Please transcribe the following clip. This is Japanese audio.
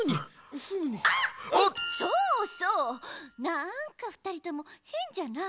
なんかふたりともへんじゃない？